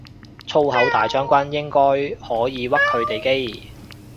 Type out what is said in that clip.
粗口大將軍應該可以屈佢哋機